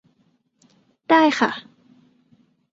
ได้ค่ะ